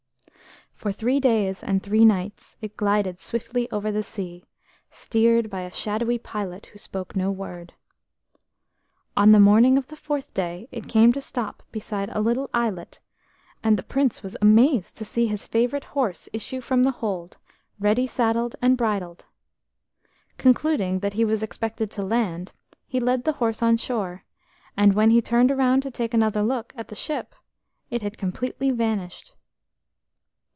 For three days and three nights it glided swiftly over the sea, steered by a shadowy pilot who spoke no word. On the morning of the fourth day it came to a stop beside a little islet, and the Prince was amazed to see his favourite horse issue from the hold, ready saddled and bridled. Concluding that he was expected to land, he led the horse on shore, and when he turned round to take another look at the ship, it had completely vanished.